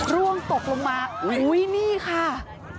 ร่วงตกลงมาอุ้ยนี่ค่ะ